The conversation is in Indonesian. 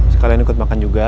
sekalian ikut makan juga